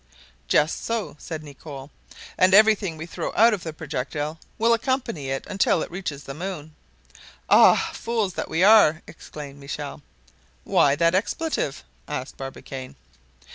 "Just so," said Nicholl, "and everything we throw out of the projectile will accompany it until it reaches the moon." "Ah! fools that we are!" exclaimed Michel. "Why that expletive?" asked Barbicane.